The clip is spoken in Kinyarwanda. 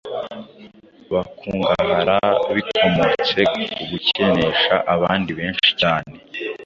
bakungahara bikomotse ku gukenesha abandi benshi cyane;